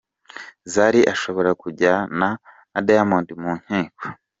Zari ashobora kujyana Diamond mu nkiko